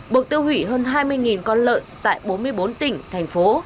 buộc tiêu hủy hơn hai mươi con lợn tại bốn mươi bốn tỉnh thành phố